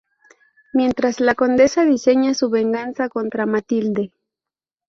Mientras, la condesa diseña su venganza contra Matilde.